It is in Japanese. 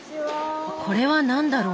これは何だろう？